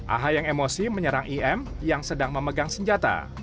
aha yang emosi menyerang im yang sedang memegang senjata